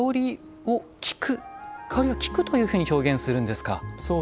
香りを「聞く」というふうに表現するんですか。